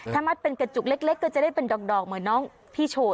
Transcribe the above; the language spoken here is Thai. ถ้ามัดเป็นกระจุกเล็กก็จะได้เป็นดอกเหมือนน้องพี่โชว์